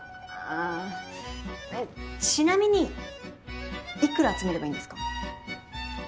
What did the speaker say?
あちなみにいくら集めればいいんですか。